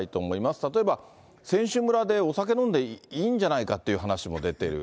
例えば選手村でお酒飲んでいいんじゃないかっていう話も出てる。